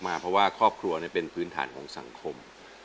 เพราะว่าครอบครัวเป็นพื้นฐานของสังคม